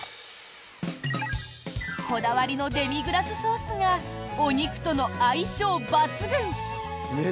こだわりのデミグラスソースがお肉との相性抜群！